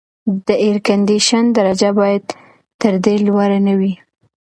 د اېرکنډیشن درجه باید تر دې لوړه نه وي.